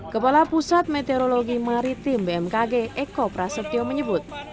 kepala pusat meteorologi maritim bmkg eko prasetyo menyebut